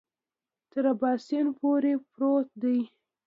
تر اباسین پورې پروت دی.